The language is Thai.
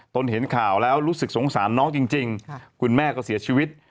ตนเห็นข่าวแล้วรู้สึกสงสารน้องจริงคุณแม่ก็เสียชีวิต